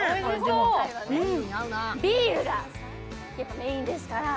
今回はビールがメインですから。